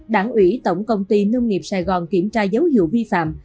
đảng ủy tổng công ty nông nghiệp sài gòn kiểm tra dấu hiệu vi phạm